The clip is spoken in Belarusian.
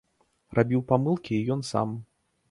Рабіў памылкі і ён сам.